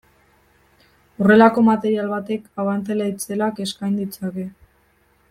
Horrelako material batek abantaila itzelak eskain ditzake.